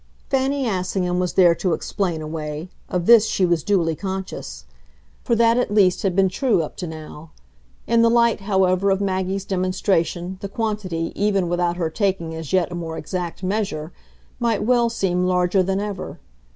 Fanny Assingham was there to explain away of this she was duly conscious; for that at least had been true up to now. In the light, however, of Maggie's demonstration the quantity, even without her taking as yet a more exact measure, might well seem larger than ever.